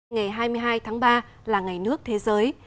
ngày hai mươi hai tháng ba là ngày nước thế giới